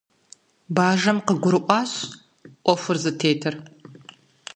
Бажэм къыгурыӏуащ ӏуэхур зытетыр.